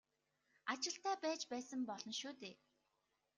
Ажилтай байж байсан болно шүү дээ.